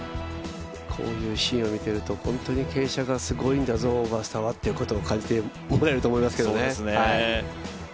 こういうシーンを見ていると、本当に傾斜がすごいんだぞ、オーガスタはということを感じてもらえると思いますね。